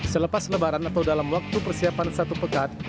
selepas lebaran atau dalam waktu persiapan satu pekat